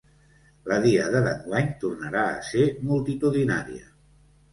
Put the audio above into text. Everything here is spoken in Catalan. La Diada d’enguany tornarà a ser multitudinària.